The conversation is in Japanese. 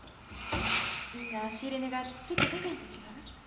みんな仕入れ値がちょっと高いんと違う？